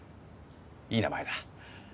いい名前だ。